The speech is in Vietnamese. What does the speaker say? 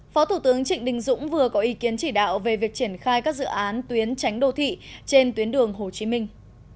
phó thủ tướng trịnh đình dũng vừa có ý kiến chỉ đạo về việc triển khai các dự án tuyến tránh đô thị trên tuyến đường hồ chí minh